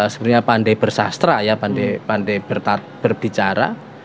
sebenarnya pandai bersastra ya pandai pandai berbicara